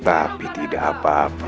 tapi tidak apa apa